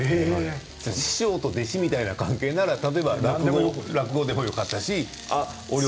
師匠と弟子のような関係なら落語でもよかったし。